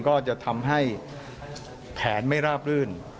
ก็จะทำให้แผนไม่ราบรื่น